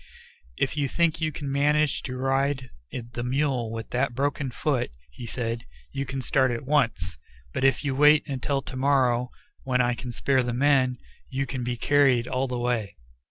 "If you think you can manage to ride the mule with that broken foot," he said, "you can start at once, but if you wait until to morrow, when I can spare the men, you can be carried all the way."